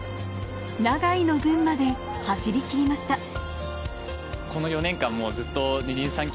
永井の分まで走りきりました。